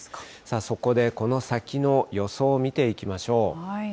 そこでこの先の予想を見ていきましょう。